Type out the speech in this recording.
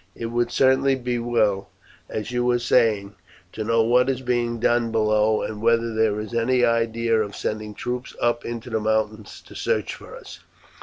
It would certainly be well, as you were saying, to know what is being done below, and whether there is any idea of sending troops up into the mountains to search for us.